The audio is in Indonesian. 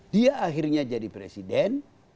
dia akhirnya jadi presiden